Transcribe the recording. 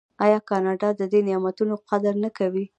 آیا کاناډایان د دې نعمتونو قدر نه کوي؟